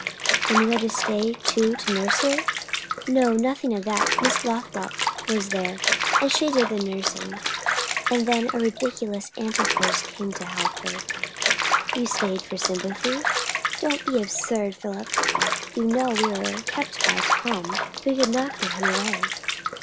"And you had to stay too, to nurse her?" "No, nothing of that. Miss Lothrop was there, and she did the nursing; and then a ridiculous aunt of hers came to help her." "You staid for sympathy?" "Don't be absurd, Philip! You know we were kept by Tom. We could not get him away."